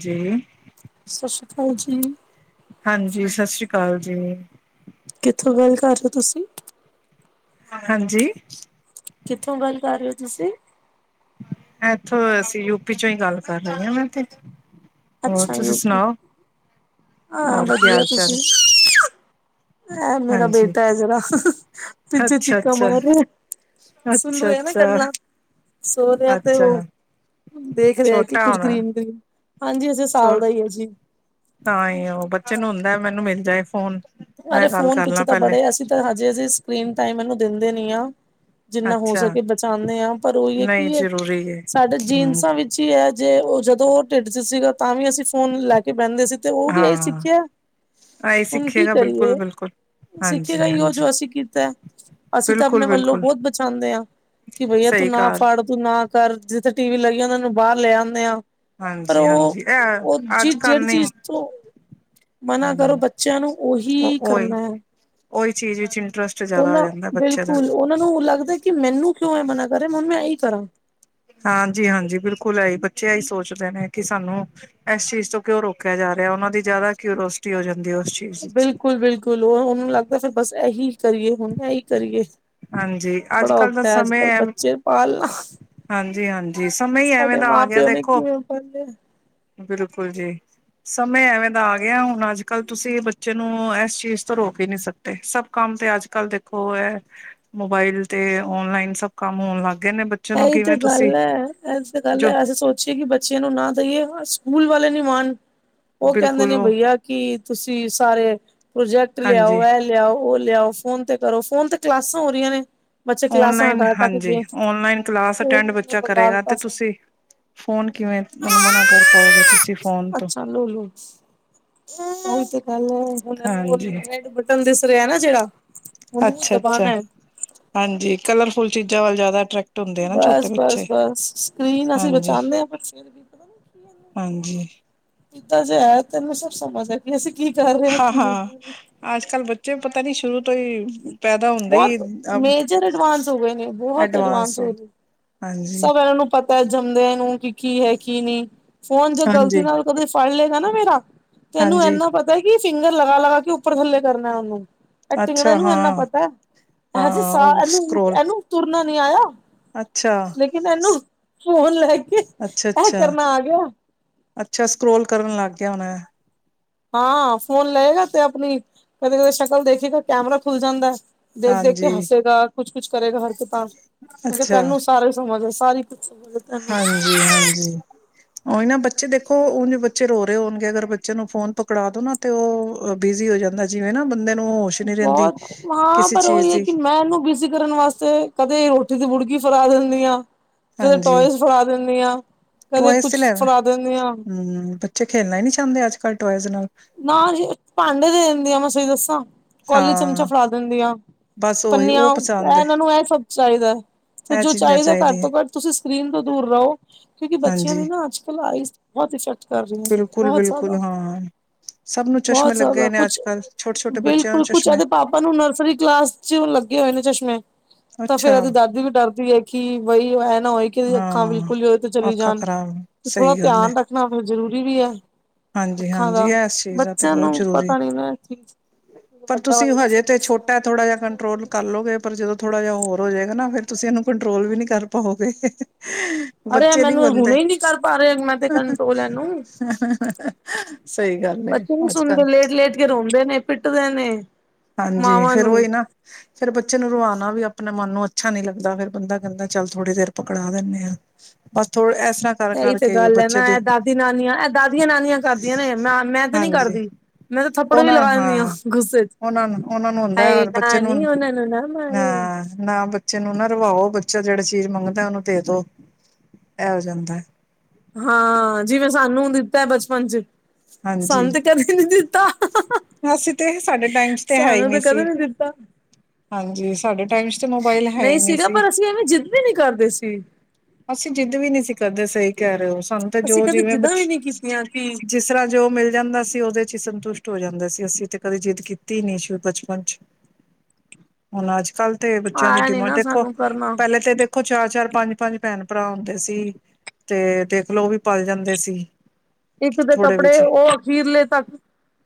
ਜੀ ਸਤਿ ਸ਼੍ਰੀ ਅਕਾਲ ਜੀ- ਹਾਂਜੀ ਸਤਿ ਸ੍ਰੀ ਅਕਾਲ ਜੀ- ਕਿਥੋਂ ਗੱਲ ਕਰ ਰਹੇ ਹੋ ਤੁਸੀ- ਹਾਂਜੀ- ਕਿਥੋਂ ਗੱਲ ਕਰ ਰਹੇ ਹੋ ਤੁਸੀ- ਇਥੋਂ ਅਸੀ ਯੂਪੀ ਚੋ ਹੀ ਗੱਲ ਕਰ ਰਹੇ ਹਾਂ ਮੈ ਤੇ- ਹੋਰ ਅੱਛਾ ਤੁਸੀਂ ਯੂਪੀ ਸੁਣਾਓ ਹਾਂ ਹੋਰ ਕੀ ਹਾਲ ਚਾਲ? ਏਹ ਮੇਰਾ ਹਾਂਜੀ ਬੇਟਾ ਹੈ ਜਿਹੜਾ ਪਿੱਛੇ ਅੱਛਾ ਚੀਕਾ ਅੱਛਾ ਮਾਰ ਅੱਛਾ ਰਿਹਾ। ਸੁਣ ਰਿਹਾ ਨਾ ਅੱਛਾ ਗੱਲਾਂ ਸੋ ਰਿਹਾ ਤੇ ਅੱਛਾ ਉਹ ਦੇਖ ਰਿਹਾ ਕਿ ਛੋਟਾ ਕੁੱਝ ਹੋਣਾ ਗ੍ਰੀਨ-ਗ੍ਰੀਨ ਹਾਂਜੀ ਹਜੇ ਸਾਲ ਦਾ ਹੀ ਹੈ ਜੀ। ਤਾਈਓਂ ਬੱਚੇ ਨੂੰ ਹੁੰਦਾ ਮੈਨੂੰ ਮਿਲ ਜਾਏ ਫੋਨ। ਅਰੇ, ਮੈਂ ਗੱਲ ਫੋਨ ਕਰ ਪਿੱਛੇ ਲਾਂ ਤਾਂ ਪਹਿਲੇ ਬੜੇ, ਅਸੀਂ ਤਾਂ ਹਜੇ ਅਸੀਂ ਸਕਰੀਨ ਟਾਈਮ ਇਹਨੂੰ ਦਿੰਦੇ ਨੀ ਆ। ਜਿੰਨਾ ਹੋ ਅੱਛਾ ਸਕੇ ਬਚਾਉਣੇ ਹਾਂ ਪਰ ਉਹੀ ਹੈ ਨਹੀਂ ਕੀ ਜ਼ਰੂਰੀ ਹੈ ਸਾਡੇ ਹਮ ਜੀਨਸਾਂ ਵਿੱਚ ਜੀ ਅਜੇ ਉਹ ਜਦੋਂ ਉਹ ਢਿੱਡ ਚ ਸੀਗਾ ਤਾਂ ਵੀ ਅਸੀ ਫੋਨ ਲੈ ਕੇ ਬਹਿਦੇ ਸੀ ਤੇ ਉਹ ਵੀ ਏ ਹਾਂ ਸਿੱਖਿਆ ਆਹੀ ਹੁਣ ਕੀ ਸਿੱਖੇਗਾ ਬਿਲਕੁਲ ਕਰੀਏ ਬਿਲਕੁਲ ਸਿੱਖੇਗਾ ਹਾਂਜੀ ਹੀ ਉਹ ਹਾਂਜੀ ਜੋ ਅਸੀਂ ਕੀਤਾ। ਅਸੀਂ ਤਾਂ ਬਿਲਕੁਲ ਆਪਣੇ ਵੱਲੋਂ ਬਿਲਕੁਲ ਬਹੁਤ ਬਚਾ ਉਦੇ ਹਾਂ ਕਿ ਬਾਇਆ ਤੂੰ ਸਹੀ ਨਾ ਕਾਰ ਫੜ। ਕਿ ਨਾ ਕਰ ਜਿੱਥੇ ਟੀ-ਵੀ ਲਾਈਏ ਉਹਨਾਂ ਨੂੰ ਬਾਹਰ ਲੈ ਆਉਂਦੇ ਆ। ਪਰ ਉਹ ਹਾਂਜੀ-ਹਾਂਜੀ ਉਹ ਇਹ ਅੱਜ ਜਿਸ ਕੱਲ ਜਿਹੜੀ ਨੀ ਚੀਜ਼ ਤੋਂ। ਮਨਾ ਕਰੋ ਹੂੰ ਬੱਚਿਆਂ ਨੂੰ। ਉਹ ਉਹੀ ਕਰਨਾ ਉਓਏ ਚੀਜ਼ ਵਿੱਚ ਇੰਟਰਸਟ ਉਹ ਜ਼ਿਆਦਾ ਹੋ ਨਾਂ ਜਾਂਦਾ ਬੱਚੇ ਦਾ ਬਿਲਕੁਲ ਉਹਨਾਂ ਨੂੰ ਲੱਗਦਾ ਕਿ ਮੈਨੂੰ ਕਿਉ ਐ ਮਨਾ ਕਰੇ ਮ ਮੈਂ ਇਹੀ ਕਰਾਂ। ਹਾਂਜੀ-ਹਾਂਜੀ ਬਿਲਕੁਲ ਇਹੀ ਬੱਚੇ ਇਹੀ ਸੋਚਦੇ ਨੇ ਕਿ ਸਾਨੂੰ ਇਸ ਚੀਜ਼ ਤੋਂ ਕਿਉਂ ਰੋਕਿਆ ਜਾ ਰਿਹਾ ਉਹਨਾਂ ਦੀ ਜਿਆਦਾ ਕਿਉਰੋਸਿਟੀ ਹੋ ਜਾਂਦੀ ਹੈ ਉਸ ਚ ਬਿਲਕੁਲ-ਬਿਲਕੁਲ, ਉਹਨੂੰ ਲੱਗਦਾ ਫਿਰ ਬਸ ਇਹੀ ਕਰੀਏ ਹੁਣ, ਇਹੀ ਕਰੀਏ। ਹਾਂਜੀ, ਅੱਜ ਬੜਾ ਕੱਲ੍ਹ ਦਾ ਔਖਾ ਹੈ ਅੱਜ ਸਮੇਂ ਕੱਲ ਏਹ ਬੱਚੇ ਪਾਲਣਾ ਹਾਂਜੀ-ਹਾਂਜੀ ਸਮੇਂ ਈ ਐਵੇਂ ਸਾਡੇ ਦਾ ਆ ਮਾਂ ਗਿਆ ਪਿਓ ਨੇ ਦੇਖੋ, ਕਿਵੇਂ ਪਾਲਿਆ ਬਿਲਕੁਲ ਜੀ। ਸਮੇਂ ਐਵੇਂ ਦਾ ਆ ਗਿਆ ਹੁਣ ਅੱਜ ਕੱਲ੍ਹ ਤੁਸੀਂ ਬੱਚੇ ਨੂੰ ਇਸ ਚੀਜ਼ ਤੋਂ ਰੋਕ ਈ ਨਹੀਂ ਸਕਦੇ। ਸਭ ਕੰਮ, ਤੇ ਅੱਜ ਕੱਲ੍ਹ ਦੇਖੋ ਐ ਮੋਬਾਇਲ ਤੇ, ਓਨਲਾਈਨ ਸਭ ਕੰਮ ਹੋਣ ਲੱਗ ਗਏ ਨੇ। ਬੱਚੇ ਨੂੰ ਇਹੀ ਤੇ ਕਿਵੇਂ ਤੁਸੀਂ ਗੱਲ ਹੈ, ਇਹ ਤੇ ਗੱਲ ਜੋ ਹੈ, ਅਸੀਂ ਸੋਚ ਪੁੱਛੇ ਕਿ ਬੱਚਿਆਂ ਨੂੰ ਨਾ ਦਈਏ, ਸਕੂਲ ਵਾਲੇ ਨੀ ਮਾਣ, ਉਹ ਕਹਿੰਦੇ ਬਿਲਕੁਲ ਨੇ ਉਹ ਬਈਆ ਕੀ, ਤੁਸੀਂ ਸਾਰੇ ਪ੍ਰੋਜੈਕਟ ਲਿਆਓ ਹਾਂਜੀ ਏ ਲਿਆਓ, ਉਹ ਲਿਆਓ, ਫੋਨ ਤੇ ਕਰੋ, ਫੋਨ ਤੇ ਕਲਾਸਾਂ ਹੋ ਰਹੀਆਂ ਨੇ। ਬੱਚੇ ਕਲਾਸਾਂ ਓਨਲਾਈਨ ਹਟਾ ਹਟਾ ਕੇ ਹਾਂਜੀ, ਗਏ ਓਨਲਾਈਨ ਕਲਾਸ ਅਟੈਂਡ ਕੋਵਿਡ ਨੇ ਬੱਚਾ ਕਰੇਗਾ ਵਿਗਾੜਤਾ ਤੇ ਸਭ ਤੁਸੀਂ ਫੋਨ ਕਿਵੇਂ, ਉਹਨੂੰ ਮਨਾ ਕਰ ਪਾਓਗੇ, ਤੁਸੀਂ ਫੋਨ ਤੋਂ। ਲੋ-ਲੋ, ਸ [inaudible] ਓਇ ਤੇ ਗੱਲ ਹੈ। [unintelligible] ਉਹਨਾਂ ਨੂੰ ਉਹ, ਹਾਂਜੀ ਰੈਡ ਬਟਨ ਦਿਸ ਰਿਹਾ ਨਾ ਜਿਹੜਾ, ਉਹਨੂੰ ਬਸ ਅੱਛਾ ਅੱਛਾ ਦਬਾਉਣਾ ਏ। ਹਾਂਜੀ, ਕਲਰਫੁਲ ਚੀਜ਼ਾਂ ਵੱਲ ਜ਼ਿਆਦਾ ਅਟਰੈਕ ਬਸ-ਬਸ-ਬਸ, ਸਕਰੀਨ ਅਸੀਂ ਹਾਂਜੀ ਬਚਾਣੇ ਅ ਹਾਂਜੀ। ਪਤਾ ਜੇ ਹੈ, ਤੈਨੂੰ ਸਭ ਸਮਝ ਏ। ਅਸੀਂ ਕੀ ਕਰ ਰਹੇ ਹਾਂ ਕੀ ਨਹੀਂ ਹਾਂ-ਹਾਂ, ਅੱਜ ਕੱਲ ਬੱਚੇ ਪਤਾ ਨੀ ਸ਼ੁਰੂ ਤੋਂ ਹੀ ਪੈਦਾ ਹੁੰਦਾ ਹੀ ਬਹੁਤ ਮੇਜਰ ਐਡਵਾਂਸ ਹੋ ਗਏ ਨੇ, ਬਹੁਤ ਐਡਵਾਂਸ ਹੋ ਹਾਂਜੀ, ਸਭ ਇਹਨਾਂ ਨੂੰ ਪਤਾ ਹੈ ਜੰਮਦਿਆਂ ਨੂੰ, ਕਿ ਕੀ ਹੈ, ਕੀ ਨਹੀਂ। ਫੋਨ ਜ ਗ਼ਲਤੀ ਹਾਂਜੀ, ਨਾਲ ਕਦੇ ਫੜ ਲਏਗਾ ਨਾ ਮੇਰਾ, ਤੇ ਏ ਨੂੰ ਹਾਂਜੀ ਇੰਨਾ ਪਤਾ ਪਤਾ ਕੀ ਫਿੰਗਰ ਲਗਾ-ਲਗਾ ਕੇ, ਉੱਪਰ ਥੱਲੇ ਕਰਨਾ ਉਹਨੂੰ, ਇਹ ਟਿੰਗਣੇ ਅੱਛਾ ਨੂੰ ਇੰਨਾ ਹਾਂ, ਪ ਇਹੋ ਜੇ ਹਾਂ ਸਾਹ ਉਹ ਇਹਨੂੰ, ਸਕਰੋਲ ਇਹਨੂੰ ਤੁਰਨਾ ਨੀ ਆਇਆ। ਅੱਛਾ। ਏਨੂੰ ਫੋਨ ਲੈ ਕੇ ਇਹ ਅੱਛਾ-ਅੱਛਾ, ਕਰਨਾ ਆ ਗਿਆ ਅੱਛਾ ਸਕਰੋਲ ਕਰਨ ਲੱਗ ਗਿਆ ਹੋਣਾ। ਹਾਂ, ਫੋਨ ਲਏਗਾ ਤੇ ਆਪਣੀ ਕਦੇ-ਕਦੇ ਸ਼ਕਲ ਦੇਖੇਗਾ, ਕੈਮਰਾ ਖੁੱਲ ਜਾਂਦਾ। ਦੇਖ-ਦੇਖ ਕੇ ਹਾਂਜੀ, ਹਸੇਗਾ, ਕੁਛ-ਕੁਛ ਕਰੇਗਾ ਹਰਕਤਾ, ਕਿਉਂਕਿ ਅੱਛਾ ਤੈਨੂੰ ਸਾਰੇਾ [unintelligible] ਹਾਂਜੀ, ਹਾਂਜੀ। ਉਹਹੀ ਨਾ ਬੱਚੇ ਦੇਖੋ, ਉਹ ਜ ਬੱਚੇ ਰੋ ਰਹੇ ਹੋਣਗੇ, ਅਗਰ ਬੱਚੇ ਨੂੰ ਫੋਨ ਪਕੜਾ ਦੋ ਨਾ ਤੇ ਉਹ ਬਿਜ਼ੀ ਹੋ ਜਾਂਦਾ, ਜਿਵੇਂ ਨਾ ਬੰਦੇ ਨੂੰ ਨੀ ਰਹਿੰਦੀ ਬਹੁਤ ਹਾਂ, ਕਿਸੇ ਪਰ ਚੀਜ਼ ਉਹੀ ਹੈ ਦੀ ਕਿ ਮੈਂ ਇਹਨੂੰ ਬੀਸੀ ਕਰਨ ਵਾਸਤੇ ਤੇ ਕਦੇ ਰੋਟੀ ਦੀ ਬੁੜਕੀ ਫੜਾ ਦਿੰਦੀ ਆ, ਤੇ ਕਦੇ ਟੋ ਹਾਂਜੀ, ਫੜਾ ਦਿੰਦੀ ਆ ਕਦੇ ਟੋਇਸ ਕੁੱਛ ਲੈਣਾ ਫੜਾ ਦਿੰਦੇ ਹਾਂ। ਹਮ ਖੇਲਣਾ ਹੀ ਨਹੀਂ ਚਾਹੁੰਦੇ, ਅੱਜ ਕੱਲ੍ਹ ਟੋਇਜ਼ ਨਾਲ ਨਾ ਜੀ ਭਾਂਡੇ ਦੇ ਦਿੰਦੀ ਆ ਮੈਂ ਤੁਹੀ ਦੱਸਾਂ, ਕੋਾਲਲੀ ਚਮਚਾ ਹਾਂ ਫੜਾ ਦਿੰਦੀ ਆ ਬਸ ਉਹੀ ਪੰਨਿਆ, ਉਹ ਪਸੰਦ ਇਹ ਹੈ ਇਹਨਾਂ ਨੂੰ ਇਹ ਸਭ ਚਾਹੀਦਾ। ਤੇ ਇਹ ਜੋ ਚੀਜ਼ਾਂ ਚਾਹੀਦਾ ਘੱਟ ਚਾਹੀਦੀਆਂ ਤੋਂ ਘੱਟ ਤੁਸੀਂ ਸਕਰੀਨ ਤੋਂ ਦੂਰ ਰਹੋ, ਕਿਉਂਕਿ ਬੱਚਿਆਂ ਹਾਂਜੀ ਦੀ ਨਾ ਅੱਜ ਕੱਲ ਆਈ ਬਹੁਤ ਇਫੈਕਟ ਕਰ ਰਹੀਆਂ, ਬਿਲਕੁਲ ਬਹੁਤ ਬਿਲਕੁਲ ਜ਼ਿਆਦਾ ਹਾਂ ਸਭ ਨੂੰ ਬਹੁਤ ਚਸ਼ਮੇ ਜ਼ਿਆਦਾ, ਲੱਗੇ ਨੇ ਅੱਜ ਕੁਛ ਕੱਲ੍ਹ ਛੋਟੇ ਛੋਟੇ ਬੱਚਿਆਂ ਨੂੰ ਬਿਲਕੁਲ, ਕੁਛ ਚਸ਼ਮੇ ਅਦੇ ਪਾਪ ਆਪਾਂ ਨੂੰ ਨਰਸਰੀ ਕਲਾਸ 'ਚ, ਲੱਗੇ ਹੋਏ ਨੇ ਚਸ਼ਮੇ ਤਾਂ ਫੇਰ ਅੱਛਾ ਇਹਦੀ ਦਾਦੀ ਵੀ ਡਰਦੀ ਹੈ, ਕਿ ਬਈ ਇਹ ਨਾ ਹੋਏ, ਕਿ ਇਹਦੀ ਅੱਖਾਂ ਹਾਂ ਬਿਲਕੁਲ ਵੀ ਉਹਦੇ ਤੇ ਚਲੀ ਅੱਖਾਂ ਜਾਣ। ਖ਼ਰਾਬ ਤੇ ਥੋੜ੍ਹਾ ਸਹੀ ਗੱਲ ਹੈ ਧਿਆਨ ਰੱਖਣਾ, ਆਪਣਾ ਜਰੂਰੀ ਵੀ ਹੈ। ਹਾਂਜੀ ਅੱਖਾਂ -ਹਾਂਜੀ ਦਾ ਇਸ ਚੀਜ਼ ਦਾ ਬੱਚਿਆਂ ਬਹੁਤ ਨੂੰ ਜ਼ਰੂਰੀ ਪਤਾ ਨੀ ਨਾ ਚੀਜ਼ ਪਰ ਵੱਡਾ ਤੁਸੀਂ,। ਹੋਏਗਾ ਹਜੇ ਫਿਰ ਤੇ ਦੱਸੇਗਾ ਛੋਟਾ ਮੈਨੂੰ ਥੋੜਾ ਕਿ ਜਿਹਾ ਉਸ ਟਾਈਮ ਕੰਟਰੋਲ ਤੇ ਧਿਆਨ ਕਰਲਓਗੇ ਪਰ ਜਦੋਂ ਥੋੜ੍ਹਾ ਜਿਹਾ ਹੋਰ ਹੋ ਜਾਏਗਾ ਨਾ, ਫੇਰ ਤੁਸੀਂ ਇਹਨੂੰ ਕੰਟਰੋਲ ਵੀ ਨਹੀਂ ਕਰ ਪਾਓਗੇ। ਅਰੇ ਬੱਚੇ ਨੀ ਮੈਨੂੰ ਮੰਨਦੇ ਹੁਣੇ ਹੀ ਨਹੀਂ ਕਰ ਪਾ ਰਹੇ ਮੈਂ ਤੇ ਕੰਟਰੋਲ ਇਹਨੂੰ ਸਹੀ ਗੱਲ ਏ ਅੱਜ ਕੱਲ ਜੇ ਰੋਂਦੇ ਨੇ ਪਿੱਟਦੇ ਨੇ ਹਾਂਜੀ, ਮਾਵਾਂ ਫਿਰ ਨੂੰ ਉਹੀ ਨਾ ਫੇਰ ਬੱਚੇ ਨੂੰ ਰਵਾਣਾ ਵੀ ਆਪਣੇ ਮਨ ਨੂੰ ਅੱਛਾ ਨੀ ਲੱਗਦਾ, ਫਿਰ ਬੰਦਾ ਕਹਿੰਦਾ, ਚੱਲ ਥੋੜੀ ਦੇਰ ਪਕੜਾ ਦਿੰਦੇ ਆ ਬਸ ਥੋੜੇ ਇਸ ਤਰ੍ਹਾਂ ਕਰ ਏਹੀ ਤੇ ਕਰਕੇ ਗੱਲ ਹੈ ਬੱਚੇ ਨਾ, ਇਹ ਦੀ ਦਾਦੀ, ਨਾਨੀਆਂ ਇਹ ਦਾਦੀਆਂ, ਨਾਨੀਆਂ ਕਰਦੀਆਂ ਨੇ, ਮੈਂ ਮੈਂ ਤੇ ਨੀ ਹਾਂਜੀ ਕਰਦੀ ਮੈਂ ਤੇ ਥੱਪੜ ਵੀ ਲਗਾ ਦਿੰਦੀ ਹਾਂ ਗੁੱਸੇ 'ਚ ਉਹਨਾਂ ਨੂੰ ਉਹਨਾਂ ਨੂੰ ਹੁੰਦਾ ਹਾਏ ਔਰ ਬੱਚੇ ਨਾ ਨੂੰ ਨੀ, ਉਹਨਾਂ ਨੂੰ ਨਾ ਮਾਰੋ ਹਾਂ ਨਾ ਬੱਚੇ ਨੂੰ ਨਾ ਰਵਾਓ, ਬੱਚਾ ਜਿਹੜੀ ਚੀਜ਼ ਮੰਗਦਾ ਉਹਨੂੰ ਦੇ ਦੋ ਐਹ ਹੋ ਜਾਂਦਾ। ਹਾਂ, ਜਿਵੇਂ ਸਾਨੂੰ ਦਿੱਤਾ ਬਚਪਨ 'ਚ ਹਾਂਜੀ ਸੰਤ ਕਦੇ ਨੀ ਦਿੱਤਾ ਅਸੀਂ ਤੇ ਸਾਡੇ ਟਾਈਮ 'ਚ ਤੇ ਹੈ ਹੀ ਸਾਨੂੰ ਨਹੀਂ ਤਾਂ ਕਦੇ ਸੀ ਨੀ ਦਿੱਤਾ ਹਾਂਜੀ, ਸਾਡੇ ਟਾਈਮ 'ਚ ਤਾਂ ਮੋਬਾਇਲ ਹੈ ਹੀ ਨਹੀਂ ਸੀ। ਜੀ ਐਵੇਂ ਜਿਦ ਵੀ ਨੀ ਕਰਦੇ ਸੀ। ਅਸੀਂ ਜਿੱਦ ਵੀ ਨਹੀਂ ਸੀ ਕਰਦੇ ਸਹੀ ਕਹਿ ਰਹੇ ਹੋ। ਸਾਨੂੰ ਤੇ ਅਸੀਂ ਜੋ ਕਦੇ ਜਿਵੇਂ, ਜਿੱਦਾਂ ਵੀ ਬਚ ਨੀ ਕੀਤੀਆਂ ਕਿ ਜਿਸ ਤਰ੍ਹਾਂ ਜੋ ਮਿਲ ਜਾਂਦਾ ਸੀ ਉਹਦੇ 'ਚ ਹੀ ਸੰਤੁਸ਼ਟ ਹੋ ਜਾਂਦੇ ਸੀ, ਅਸੀਂ ਤੇ ਕਦੇ ਜਿੱਦ ਕੀਤੀ ਹੀ ਨਹੀਂ ਸੀ ਬਚਪਨ 'ਚ ਹੁਣ ਅੱਜ ਕੱਲ੍ਹ ਤੇ ਬੱਚਿਆਂ ਦੀ ਆਇਆ ਨੀ ਡਿਮਾਂਡ ਨਾ ਦੇਖੋ, ਸਾਨੂੰ ਕਰਨਾ ਪਹਿਲੇ ਤੇ ਦੇਖੋ ਚਾਰ -ਚਾਰ ਪੰਜ ਪੰਜ ਭੈਣ ਭਰਾ ਹੁੰਦੇ ਸੀ, ਤੇ ਦੇਖਲੋ ਉਹ ਵੀ ਪਲ ਜਾਂਦੇ ਸੀ। ਇੱਕ ਦੇ ਥੋੜੇ ਕੱਪੜੇ ਵਿੱਚ ਉਹ ਅਖੀਰਲੇ ਤੱਕ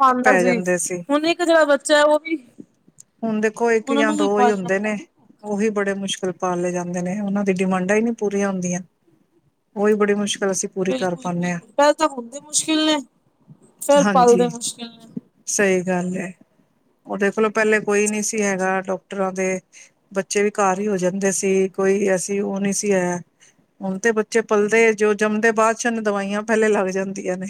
ਖਾਂਦਾ ਪੈ ਸੀ, ਜਾਂਦੇ ਹੁਣ ਇੱਕ ਜਿਹੜਾ ਬੱਚਾ ਹੈ ਉਹ ਵੀ ਹੁਣ ਦੇਖੋ, ਇੱਕ ਉਹਨਾਂ ਜਾਂ ਨੂੰ ਵੀ ਦੋ ਹੀ ਪਾਲਣਾ ਹੁੰਦੇ ਬੜਾ ਨੇ ਔਖਾ ਹੈ ਉਹੀ ਬੜੇ ਮੁਸ਼ਕਿਲ ਪਾਲੇ ਜਾਂਦੇ ਨੇ, ਉਹਨਾਂ ਦੀ ਡਿਮਾਂਡ ਇਹ ਹੀ ਨਹੀਂ ਪੂਰੀਆਂ ਹੁੰਦੀਆਂ, ਉਹੀ ਬੜੀ ਮੁਸ਼ਕਿਲ ਅਸੀਂ ਪੂਰੀ ਕਰ ਬਿਲਕੁਲ ਪਾਉਂਦੇ ਹਾਂ -ਬਿਲਕੁਲ ਪਹਿਲੇ ਤਾਂ ਹੁੰਦੇ ਮੁਸ਼ਕਿਲ ਨੇ, ਫੇਰ ਪਲਦੇ ਹਾਂਜੀ ਮੁਸ਼ਕਿਲ ਨੇ ਸਹੀ ਗੱਲ ਹੈ, ਉਹ ਦੇਖਲੋ ਪਹਿਲੇ ਬੜਾ ਕੋਈ ਨਹੀਂ ਚੱਕਰ ਸੀ ਹੈ ਹੈਗਾ ਡਾਕ ਡੋਕਟਰਾਂ ਦੇ ਬੱਚੇ ਵੀ ਘਰ ਹੀ ਹੋ ਜਾਂਦੇ ਸੀ, ਕੋਈ ਐਸੀ ਉਹ ਨਹੀਂ ਸੀ ਹੈ ਹੁਣ ਤੇ ਬੱਚੇ ਪਲਦੇ ਜੋ ਜੰਮਦੇ ਬਾਅਦ 'ਚ, ਉਹਨੂੰ ਦਵਾਈਆਂ ਪਹਿਲੇ ਲੱਗ ਜਾਂਦੀਆਂ ਨੇ।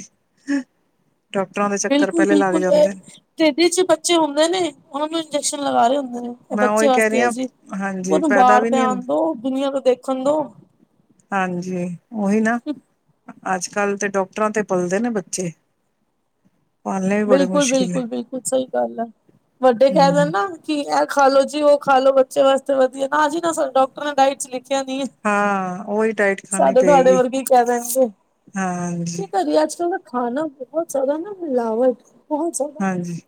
ਡੋਕਟਰਾਂ ਦੇ ਚੱਕਰ, ਪਹਿਲੇ ਲੱਗ ਜਾਂਦੇ ਨੇ। ਤੇਦੀ 'ਚ ਬੱਚੇ ਹੁੰਦੇ ਨੇ ਉਹਨੂੰ, ਇੰਜੈਕਸ਼ਨ ਲਗਾ ਰਹੇ ਹੁੰਦੇ ਨੇ। ਇਹ ਮੈਂ ਬੱਚੇ ਉਹੀ ਕਹਿ ਵਾਸਤੇ ਰਹੀ ਹੈ, ਹਾਂ ਜੀ ਹਾਂਜੀ ਉਹਨੂੰ ਪੈਦਾ ਬਾਹਰ ਵੀ ਤੇ ਨਹੀਂ ਆਉਣ ਹੁੰਦੇ। ਦੋ ਦੁਨੀਆਂ ਤੇ ਦੇਖਣ ਦੋ। ਹਾਂਜੀ ਉਹੀ ਨਾ। ਅੱਜ ਕੱਲ੍ਹ ਤੇ ਡੋਕਟਰਾਂ ਤੇ ਪਲਦੇ ਨੇ ਬੱਚੇ। ਪਾਲਣੇ ਵੀ ਬੜੇ ਬਿਲਕੁਲ- ਮੁਸ਼ਕਿਲ ਹੈ ਬਿਲਕੁਲ- ਬਿਲਕੁਲ, ਸਹੀ ਗੱਲ ਆ ਵੱਡੇ ਕਹਿ ਦੇਣ ਹਮ ਨਾ ਕਿ ਇਹ ਖਾ ਲਓ ਜੀ ਉਹ ਖਾਲੋ ਬੱਚੇ ਵਾਸਤੇ, ਵਧੀਆ ਨਾ ਜੀ ਨਾ ਡਾਕਟਰ ਨੇ ਡਾਇਟ 'ਚ ਲਿਖ। ਬਚਿਆ ਦੀ ਹਾਂ ਉਹੀ ਡਾਇਟ ਖਾਣੀ ਅਸਾਡੇ ਤੁਹਾਡੇ ਪਏਗੀ ਵਰਗੇ ਕਹਿ ਦੇਣਗੇ। ਕੀ ਹਾਂਜੀ ਕਰੀਏ ਜ ਅੱਜ ਕਲ ਦਾ ਖਾਣਾ, ਬਹੁਤ ਜ਼ਿਆਦਾ ਨਾ ਮਿਲਾਵਟ। ਬਹੁਤ ਜਿਆਦਾ ਹਾਂਜੀ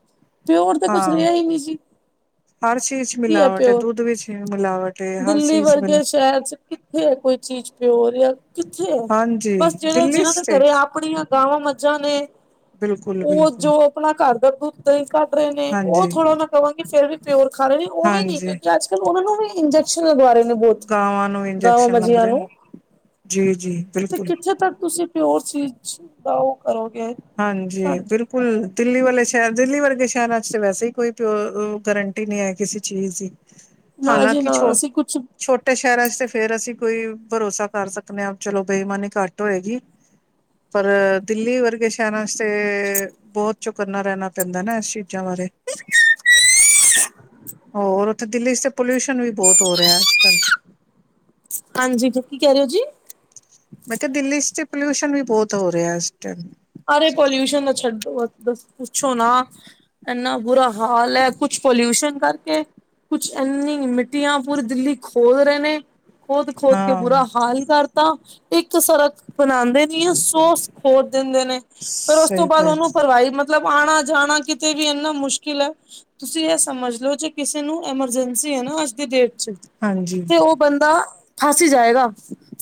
ਪਿਓਰ ਤੇ ਕੁਛ ਹਾਂ ਰਿਹਾ ਹੀ ਨਹੀਂ ਜੀ। ਹਰ ਚੀਜ਼ 'ਚ ਕੀ ਮਿਲਾਵਟ ਹੈ, ਪਿਓਰ ਦੁੱਧ ਵਿੱਚ ਮਿਲਾਵਟ ਹੈ, ਹਰ ਦਿੱਲੀ ਚੀਜ਼ 'ਚ ਵਰਗੇ ਮਿਲਾਵਟ। ਸ਼ਹਿਰ ਚ ਕਿੱਥੇ ਹੈ ਕੋਈ ਚੀਜ਼ ਪਿਓਰ ਆ ਕਿੱਥੇ ਹੈ ਹਾਂਜੀ ਬਸ ਜਿਹੜੇ ਦਿੱਲੀ ਜਿਹਨਾਂ ਦੇ ਸਟੇਟ ਘਰੇ ਆਪਣੀਆਂ ਗਾਵਾਂ ਮੱਝਾਂ ਨੇ। ਬਿਲਕੁਲ। ਉਹ ਬਿਲਕੁਲ ਜੋ ਆਪਣਾ ਘਰ ਦਾ ਦੁੱਧ ਦਹੀਂ ਕੱਢ ਰਹੇ ਨੇ, ਉਹ ਹਾਂਜੀ ਥੋੜ੍ਹਾ ਮੈਂ ਕਵਾਂਗੀ ਫਿਰ ਵੀ ਪਿਓਰ ਖਾ ਰਹੇ ਨੇ, ਉਹ ਵੀ ਨਹੀਂ ਹਾਂਜੀ ਕਿਉਂਕਿ ਅੱਜ। ਚਲੋ ਉਹਨਾਂ ਨੂੰ ਵੀ ਇੰਜਕਸ਼ਨ ਲਗਵਾ ਰਹੇ ਨੇ ਬਹੁਤ ਗਾਵਾਂ ਨੂੰ ਗਾਵਾਂ ਇੰਜੈਕਸ਼ਨ ਲੱਗ ਮੱਝੀਆਂ ਰਹੇ ਨੇ। ਨੂੰ ਜੀ ਜੀ ਤੇ ਬਿਲਕੁਲ ਕਿੱਥੇ ਤੱਕ ਤੁਸੀਂ। ਫੇਰ ਹੋਰ ਚੀਜ਼ ਚ ਲਓ। ਹਾਂਜੀ ਬਿਲਕੁਲ। ਕੁਲ ਦਿੱਲੀ ਵਾਲੇ ਸ਼ਹਿਰ ਦਿੱਲੀ ਵਰਗੇ ਸ਼ਹਿਰਾਂ 'ਚ ਤਾਂ ਵੈਸੇ ਹੀ ਕੋਈ ਪਿਓਰ ਗਰੰਟੀ ਨਹੀਂ ਹੈ, ਕਿਸੇ ਚੀਜ਼ ਦੀ। ਨਾ ਜੀ ਹਾਲਾਂਕਿ ਨਾ ਛੋ ਅਸੀਂ ਕੁਛ -ਛੋਟ। ਤੇ ਸ਼ਹਿਰਾਂ ਚ ਤੇ ਫੇਰ ਅਸੀਂ ਕੋਈ ਭਰੋਸਾ ਕਰ ਸਕਦੇ ਹਾਂ, ਚਲੋ ਬੇਈਮਾਨੀ ਘੱਟ ਹੋਏਗੀ। ਪਰ ਦਿੱਲੀ ਵਰਗੇ ਸ਼ਹਿਰ ਚ ਤੇ ਬਹੁਤ ਚੁਕੰਨਾ ਰਹਿਣਾ। ਪੈਂਦਾ ਨਾ ਇਸ ਚੀਜ਼ਾਂ ਬਾਰੇ ਹੋਰ। ਤੇ ਦਿੱਲੀ 'ਚ ਪੋਲਿਊਸ਼ਨ ਵੀ ਬਹੁਤ ਹੋ ਰਿਹਾ ਅੱਜ ਕੱਲ੍ਹ। ਹਾਂਜੀ ਤੁ ਕੀ ਕਹਿ ਰਹੇ ਹੋ ਜੀ। ਮੈਂ ਕਿਹਾ ਦਿੱਲੀ ਚ ਤੇ ਪੋਲਿਊਸ਼ਨ ਵੀ ਬਹੁਤ ਹੋ ਰਿਹਾ ਇਸ ਟਾਈਮ। ਅਰੇ ਪੋਲਿਊਸ਼ਨ ਨਾ ਛੱਡੋ ਪੁੱਛੋ ਨਾ। ਇੰਨਾ ਬੁਰਾ- ਹਾਲ ਹੈ, ਕੁਛ ਪੋਲਿਊਸ਼ਨ ਕਰਕੇ। ਕੁਛ ਇੰਨੀ ਮਿੱਟੀਆਂ ਪੂਰੀ ਦਿੱਲੀ ਖੋਦ ਰਹੇ ਨੇ, ਖੋਦ -ਖੋਦ ਕੇ ਹਾਂ ਬੁਰਾ ਹਾਲ ਕਰ। ਤਾਂ ਇੱਕ ਤੇ ਸੜਕ ਬਣਾਉਂਦੇ ਨਹੀ ਆ, ਸੋਸ ਖੋਲ ਦਿੰਦੇ ਨੇ। ਫੇਰ ਉਸ ਤੋਂ ਸਹੀ ਬਾਅਦ ਕਹਿ ਉਹਨੂੰ ਭਰਵਾਹੀ ਮਤਲਬ ਆਉਣਾ ਜਾਣਾ, ਕਿਤੇ ਵੀ ਇਨਾ ਮੁਸ਼ਕਿਲ ਹੈ। ਤੁਸੀਂ ਇਹ ਸਮਝ ਲੋਓ, ਜੇ ਕਿਸੇ ਨੂੰ ਐਮਰਜੈਂਸੀ ਹੈ ਨਾ ਅੱਜ ਦੀ ਡੇਟ। ਹਾਂਜੀ ਤੇ ਉਹ ਬੰਦਾ ਫਸ ਜਾਏਗਾ।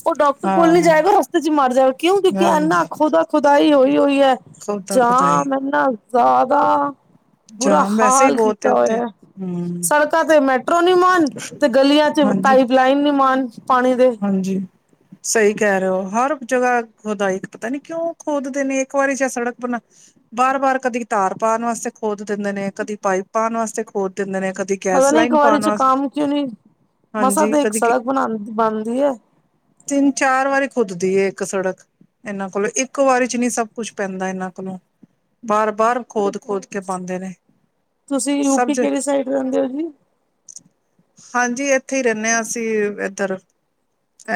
ਉਹ ਡਾਕਟਰ ਕੋਲ ਨੀ ਹਾਂ ਜਾਏਗਾ, ਰਸਤੇ ਚ ਮਰ ਜਾਵੇਗਾ ਕਿਉਂ ਕਿਉਂਕਿ ਇੰਨਾ ਹਾਂਜੀ ਖੁਦਾ -ਖੁਦਾ ਹੋਈ ਹੋਈ ਹੈ। ਖੁਦਾ ਖੁਦਾਏ ਜਾਮ ਇਨਾ ਜ਼ਿਆਦਾ। ਬੂਰਾ ਜਾਮ ਵੈਸੇ ਹੀ ਹਾਲ ਬਹੁਤ ਕੀਤਾ ਹੈ ਉੱਥੇ ਹੋਇਆ। ਹਮ ਸੜਕਾਂ ਤੇ ਮੈਟਰੋ ਨਹੀਂ ਮਾਣ ਤੇ ਗਲੀਆਂ ਚ ਹਾਂਜੀ ਪਾਈਪ ਲਾਈਨ ਨੀ ਮਾਣ ਪਾਣੀ ਦੀ ਹਾਂਜੀ। ਸਹੀ ਕਹਿ ਰਹੇ ਹੋ ਹਰ ਜਗ੍ਹਾ ਖੁਦਾਈ, ਪਤਾ ਨੀ ਕਿਉਂ ਖੋਦਦੇ ਨੇ ਇੱਕ ਵਾਰੀ ਜ ਸੜਕ ਬਣਾਈ ਬਾਰ- ਬਾਰ ਕਦੀ ਤਾਰ ਪਾਉਣ ਵਾਸਤੇ, ਖੋਦ ਦਿੰਦੇ ਨੇ ਕਦੀ ਪਾਈਪ ਪਾਉਣ ਵਾਸਤੇ ਖੋਦ ਦਿੰਦੇ ਨੇ। ਕਦੀ ਪਤਾ ਗੈਸ ਨੀ ਇੱਕ ਲਾਈਨ ਵਾਰੀ ਪਾਉਣ ਚ ਵਾਸਤੇ ਕੰਮ ਕਿਉਂ ਨਹੀਂ, ਮਸਾਂ ਹਾਂਜੀ ਤੇ ਇੱਕ ਕਦੀ ਸੜਕ ਬਣਦੀ ਹੈ। ਤਿੰਨ- ਚਾਰ ਵਾਰੀ ਖੁੱਦਦੀ ਏ ਇੱਕ ਸੜਕ। ਇਹਨਾਂ ਕੋਲੋਂ ਇੱਕ ਵਾਰੀ ਚ ਨੀ ਸਭ ਕੁਛ ਪੈਂਦਾ ਇਹਨਾਂ ਕੋਲੋਂ। ਬਾਰ- ਬਾਰ, ਖੋਦ- ਖੋਦ ਕੇ ਪਾਉਦੇ ਨੇ ਤੁਸੀਂ ਸਬ ਯੂਪੀ ਜਗਾ ਕਿਹੜੀ ਸਾਈਡ ਰਹਿੰਦੇ ਹੋ ਜੀ? ਹਾਂਜੀ, ਇੱਥੇ ਹੀ ਰਹਿੰਨੇ ਹਾਂ ਅਸੀਂ ਇੱਧਰ।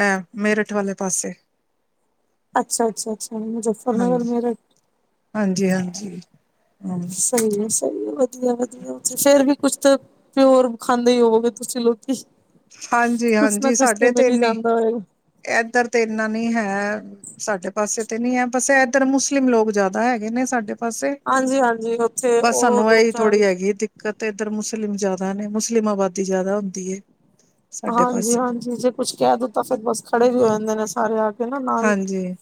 ਅਹ ਮੇਰਠ ਵਾਲੇ ਪਾਸੇ। ਅੱਛਾ- ਅੱਛਾ -ਅੱਛਾ, ਮੁਜੱਫਰਨਗਰ ਹਾਂਜੀ ਮੇਰਟ। ਹਾਂਜੀ -ਹਾਂਜੀ। ਹਮ ਸਹੀ ਹੈ ਸਹੀ ਹੈ ਵਧੀਆ ਵਧੀਆ ਉੱਥੇ ਫੇਰ ਵੀ ਕੁਛ ਤੇ। ਤੇ ਹੋਰ ਖਾਂਦੇ ਹੋਵਗੇ ਤੁਸੀਂ ਲੋਕੀ,,,,,, ਹਾਂਜੀ ਕੁਛ ਨਾ ਕੁਛ ਤੇ ਮਿਲ ਹੀ ਜਾਂਦਾ ਹੋਵੇਗਾ। ਇਧਰ ਤੇ ਇੰਨਾ ਨਹੀ ਹੈ। ਸਾਡੇ ਪਾਸੇ ਤੇ ਨੀ ਹੈ ਬਸ ਇੱਧਰ ਮੁਸਲਿਮ ਲੋਕ ਜ਼ਿਆਦਾ ਹੈਗੇ ਨੇ ਸਾਡੇ। ਪਾਸੇ ਹਾਂਜੀ ਹਾਂਜੀ ਉੱਥੇ ਬਸ ਉਹ ਸਾਨੂੰ ਇਹੀ ਲੋਕਾਂ ਥੋੜ੍ਹੀ ਹੈਗੀ ਦਿੱਕ ਕ ਤੇ ਇੱਧਰ ਮੁਸਲਿਮ ਜਿਆਦਾ ਨੇ ਮੁਸਲਿਮ ਆਬਾਦੀ ਜ਼ਿਆਦਾ ਹੁੰਦੀ ਏ, ਹਾਂਜੀ ਹਾਂਜੀ ਜੇ ਕੁੱਛ ਕਹਿ ਦੋ ਤਾਂ ਫੇਰ ਬਸ ਖੜੇ ਵੀ ਹੋ ਜਾਂਦੇ ਨੇ ਸਾਰੇ ਆ ਕੇ। ਨਾ ਨਾਲ ਹਾਂਜੀ,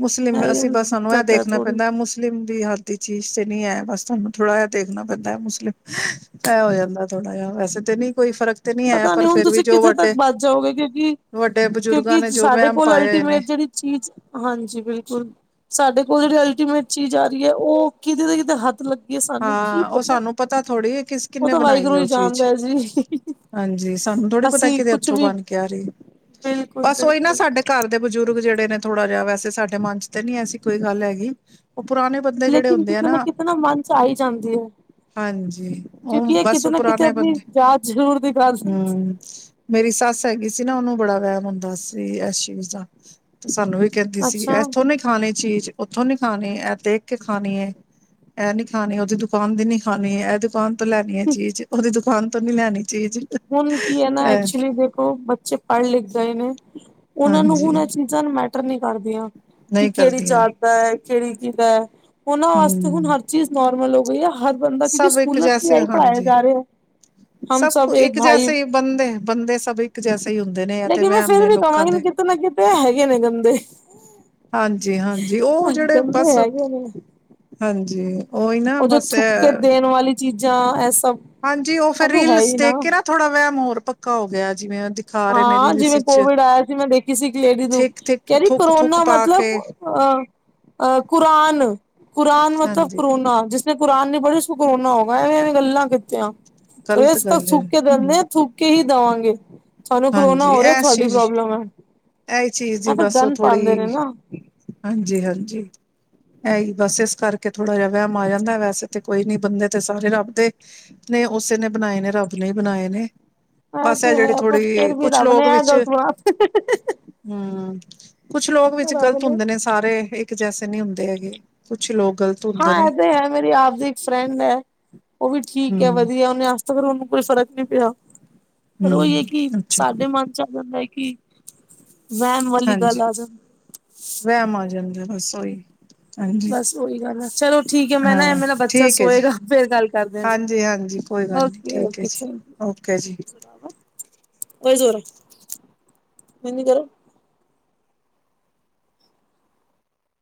ਮੁਸਲਿਮ, ਅਸੀ ਇਹ ਬਸ ਸਾਨੂੰ ਇਹ ਦਿੱਕਤ ਹੈ ਦੇਖਣਾ ਥੋੜੀ ਪੈਂਦਾ ਮੁਸ ਮੁਸਲਿਮ ਦੀ ਹੱਥ ਦੀ ਚੀਜ਼ ਤੇ ਨਹੀਂ ਹੈ, ਬਸ ਸਾਨੂੰ ਥੋੜ੍ਹਾ ਇਹ ਦੇਖਣਾ ਪੈਂਦਾ ਹੈ। ਮੁਸਲਿਮ ਆਹ ਹੋ ਜਾਂਦਾ ਥੋੜਾ ਜਿਹਾ, ਵੈਸੇ ਤੇ ਨਹੀਂ ਕੋਈ ਫ਼ਰਕ ਤੇ ਨਹੀਂ ਹੈ ਪਤਾ ਨੀ, ਪਰ ਹੁਣ ਫਿਰ ਵੀ ਤੁਸੀਂ ਜੋ ਕਿੱਥੇ ਤੱਕ ਵੱਡੇ ਬੱਚ ਜਾਓਗੇ ਗੇ ਕਿ ਵੱਡੇ ਬਜ਼ੁਰਗਾਂ ਕਿਉਂਕਿ ਨੇ ਜੋ ਸਾਡੇ ਵਹਿਮ ਕੋਲ ਪਾਏ ਹੋਏ ਅਲਟੀਮੇਟ ਨੇ ਜਿਹੜੀ ਚੀਜ਼, ਹਾਂਜੀ, ਬਿਲਕੁਲ ਸਾਡੇ ਕੋਲ ਜਿੜੀ ਅਲਟੀਮੇਟ ਚੀਜ਼ ਆ ਰਹੀ ਹੈ, ਉਹ ਕਿਦੇ ਨਾ ਕਿਤੇ ਹੱਥ ਲੱ ਯਾ ਸਾਨੂੰ ਕੀ ਹਾਂ ਉਹ ਪਤਾ,,,,,,,,, ਸਾਨੂੰ ਥੋੜ੍ਹੀ ਕਿਸ ਉਹ ਕਿੰਨੇ ਤਾਂ ਬਣਾਈ ਵਾਹਿਗੁਰੂ ਹੈ ਹੀ ਉਹ ਚੀਜ਼ ਜਾਣਦਾ ਹੈ ਜੀ। ਹਾਂਜੀ, ਸਾਨੂੰ ਥੋੜ੍ਹੀ ਪਤਾ ਅਸੀਂ ਕਿਤੇ ਕੁਛ ਹੱਥੋਂ ਵੀ ਬਨ ਕੇ ਆ ਰਹੀ,,,,, ਬਿਲਕੁਲ ਬਸ ਉਹੀ ਨਾ ਬਿਲਕੁਲ ਸਾਡੇ ਘਰ ਦੇ ਬਜ਼ੁਰਗ ਜਿਹੜੇ ਨੇ ਥੋੜਾ ਜਿਹਾ, ਵੈਸੇ ਸਾਡੇ ਮਨ 'ਚ ਤੇ ਨਹੀ ਐਸੀ ਕੋਈ ਗੱਲ ਹੈਗੀ,,,,, ਉਹ ਪੁਰਾਣੇ ਬ ਲੇਕਿਨ ਕਿਤੇ ਨਾ ਕਿਤੇ ਨਾ, ਮੰਨ 'ਚ ਆਈ ਜਾਂਦੀ ਹੈ। ਹਾਂਜੀ ਉਹ ਕਿਉਂਕਿ ਇਹ ਬਸ ਕਿਤੇ ਨਾ ਕਿਤੇ, ਪੁਰਾਣੇ ਬੰਦੇ ਆਪਣੀ ਜਾਤ ਜ਼ਰੂਰ ਦਿਖਾ ਹਮ ਮੇਰੀ ਸੱਸ ਹੈਗੀ ਸੀ ਨਾ, ਉਹਨੂੰ ਬੜਾ ਵਹਿਮ ਹੁੰਦਾ ਸੀ ਆਸ ਚੀਜ ਦਾ। ਸਾਨੂੰ ਵੀ ਕਹਿੰਦੀ ਸੀ, ਅੱਛਾ ਇੱਥੋਂ ਨੀਂ ਕ ਖਾਣੀ ਚੀਜ਼, ਉੱਥੋਂ ਨੀ ਖਾਣੀ, ਇਹ ਦੇਖ ਕੇ ਖਾਨੀ,,,, ਅਹ ਨੀ ਖਾਣੀ, ਉਹਦੀ ਦੁਕਾਨ ਦੀ ਨੀ ਖਾਨੀ, ਇਹ ਦੁਕਾਨ ਤੋਂ ਲਾਨੀ ਹੈ ਚੀਜ਼, ਉਹਦੀ ਦੁਕਾਨ ਤੋਂ ਨੀ ਲੈਣੀ ਚੀਜ਼ ਹੁਨ ਕੀ ਹੈ ਨਾ ਇਹ ਐਕਚੁਲੀ, ਦੇਖੋ ਬੱਚੇ ਪੜ੍ਹ ਲਿਖ ਗਏ ਨੇ, ਉਹਨਾਂ ਨੂੰ ਹਾਂਜੀ ਹੁਣ ਇਹ ਚੀਜ਼ਾਂ ਮੈਟਰ ਨਹੀਂ ਕਰਦੀਆਂ, ਕਿ ਨਹੀਂ ਕਿਹੜੀ ਕਰਦੀਆਂ ਜਾਤ ਦਾ ਹੈ, ਕਿਹੜੀ ਕੀ ਦਾ ਹੈ, ਉਹਨਾਂ ਵਾਸਤੇ ਹੁਣ ਹਮ ਹਰ ਚੀਜ਼ ਨੋਰਮਲ ਹੋ ਗਈ ਹੈ ਹਦ ਬੰਦਾ, [unintelligible] ਸਭ ਇੱਕ ਸਕੂਲਾਂ ਤੇ ਆ ਜੈਸੇ ਹੀ ਪੜ੍ਹਾਇਆ ਹਾਂਜੀ ਜਾ ਰਿਹਾ, ਹਮ ਸਭ ਏਕ ਇੱਕ ਜੈਸੇ ਹੀ ਬੰਦੇ, ਬੰਦੇ ਸਭ ਇੱਕ ਜੈਸੇ ਹੀ ਹੁੰਦੇ ਨੇ, ਆਂ ਤੇ ਲੇਕਿਨ ਮੈਂ ਵਹਿਮ ਫਿਰ ਨੇ ਵੀ ਲੋਕਾਂ ਕਹਾਂਗੀ ਦੇ। ਕਿਤੇ ਨਾ ਕਿਤੇ ਹੈਗੇ ਨੇ ਗੰਦੇ,, ਹਾਂਜੀ ਹਾਂਜੀ ਉਹ ਜਿਹੜੇ ਬਸ ਗੰਦੇ ਹੈਗੇ ਨੇ। ਹਾਂਜੀ। ਉਹੀ ਨਾ ਉਹ ਜੇ ਬਸ ਥੁੱਕ ਕੇ ਇਹ ਦੇਣ ਵਾਲੀ ਚੀਜ਼ਾਂ, ਇਹ ਸਭ ਹਾਂਜੀ ਉਹ ਇਹ ਫੇਰ ਤਾਂ ਹੈ ਰੀਲਸ ਹੀ ਦੇਖ ਕੇ ਨਾ, ਥੋੜਾ ਵਹਿਮ ਹੋਰ ਪੱਕਾ ਹੋ ਗਿਆ ਜਿਵੇਂ ਅੱਜ ਹਾਂ ਜਿਵੇਂ ਕੋਵਿਡ ਆਇਆ ਸੀ, ਮੈਂ ਦੇਖੀ ਸੀ ਇੱਕ ਲੇਡੀ ਨੂੰ, ਥਿੱਕ ਥਿੱਕ ਕਹਿਦੀ ਥੁੱਕ ਥੁੱਕ ਕਰੋਨਾ ਪਾ ਮਤਲਬ ਕੇ ਅ, ਕੁਰਾਨ, ਕੁਰਾਨ ਮਤਲਬ ਹਾਂਜੀ ਕਰੋਨਾ, ਜਿਸ ਜਿ ਗ਼ਲਤ ਗੱਲ ਹੈ ਹਮ, [unintelligible] ਥੁੱਕ ਕੇ ਹੀ ਦੇਵਾਂਗੇ। ਸਾਨੂੰ ਕਰੋਨਾ ਹਾਂਜੀ ਹੋ ਰਿਹਾ ਇਸ ਤੁਹਾਡੀ ਚੀਜ਼ ਪ੍ਰੋਬਲਮ ਹੈ,,,, ਇਹੀ ਚੀਜ਼ ਆ ਦੀ ਫਿਰ ਬਸ ਉਹ ਗੰਦ ਪੈਂਦੇ ਨੇ ਥੋੜ੍ਹੀ ਨਾ। ਹਾਂਜੀ, ਹਾਂਜੀ। ਆਂ ਹੀ ਬਸ, ਇਸ ਕਰਕੇ ਥੋੜਾ ਜਾ ਵਹਿਮ ਆ ਜਾਂਦਾ, ਵੈਸੇ ਤੇ ਕੋਈ ਨੀ, ਬੰਦੇ ਤੇ ਸਾਰੇ ਰੱਬਦੇ ਨੇ ਉਸੇ ਨੇ ਬਨਾਏ ਨੇ, ਰੱਬ ਨੇ ਬਣਾਏ ਨੇ, ਬਸ ਇਹ ਤੇ ਜਿਹੜੀ ਹੈ ਫਿਰ ਥੋੜ੍ਹੀ ਵੀ, ਕੁਛ ਰੱਬ ਨੇ ਲੋਕ ਇਹ ਵਿੱਚ ਗਲਤ ਬਣਾ ਤੇ ਹਮ, ਕੁਛ ਲੋਕ ਵਿੱਚ ਗ਼ਲਤ ਹੁੰਦੇ ਨੇ ਸਾਰੇ ਇੱਕ ਜੈਸੇ ਨਹੀ ਹੁੰਦੇ ਹੈਗੇ, ਕੁੱਛ ਲੋਕ ਗਲਤ ਹਾਂ ਇਹ ਤੇ ਹੈ, ਮੇਰੀ ਆਪ ਦੀ ਇੱਕ ਫਰੈਂਡ ਹੈ, ਉਹ ਵੀ ਠੀਕ ਹੈ ਹੂੰ, ਵਧੀਆ, ਉਹਨੇ ਅਜ ਫਿਰ ਉਹਨੂੰ ਕੋਈ ਫਰਕ ਨੀ ਪਿਆ, ਫਿਰ ਉਹੀ ਹੈ ਹੂੰ, ਕਿ ਅੱਛਾ ਸਾਡੇ ਮਨ 'ਚ ਆ ਜਾਂਦਾ ਹੈ ਕਿ [inaudible] ਵਹਿਮ ਵਾਲੀ ਗੱਲ ਹਾਂਜੀ,,,, ਆ ਜਾਂਦੀ ਵਾਮ ਆਂ ਜਾਂਦਾ ਜ, ਬਸ ਓਹੀ ਬਸ ਉਹੀ ਗੱਲ ਆ, ਚਲੋ ਠੀਕ ਹੈ, ਮੈਂ ਨਾ ਹਾਂ ਮੇਰਾ ਬੱਚਾ ਠੀਕ ਹੈ ਜੀ ਸੋਏਗਾ, ਫੇਰ ਗੱਲ ਕਰਦੇ ਆਂ ਜ,,,,, ਹਾਂਜੀ-ਹਾਂਜੀ ਕੋਈ ਗੱਲ ਨਹੀਂ ਓਕੇ ਠੀਕ ਹੈ ਓਕੇ, ਜੀ ਚਲੋ। ਓਕੇ ਜੀ। [unintelligible]